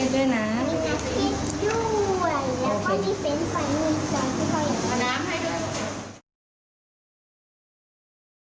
ด้วยนะ